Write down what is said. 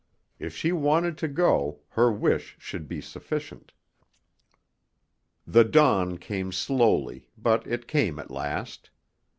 If she wanted to go, her wish should be sufficient. The dawn came slowly, but it came at last.